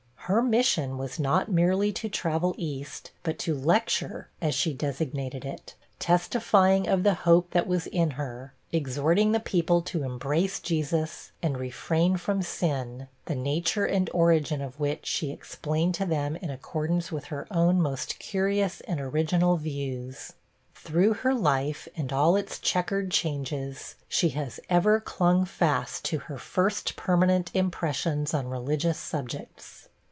Her mission was not merely to travel east, but to 'lecture,' as she designated it; 'testifying of the hope that was in her' exhorting the people to embrace Jesus, and refrain from sin, the nature and origin of which she explained to them in accordance with her own most curious and original views. Through her life, and all its chequered changes, she has ever clung fast to her first permanent impressions on religious subjects.